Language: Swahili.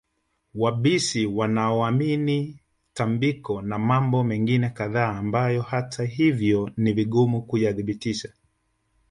wabishi wasioamini tambiko na mambo mengine kadhaa ambayo hata hivyo ni vigumu kuyathibitisha